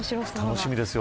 楽しみです。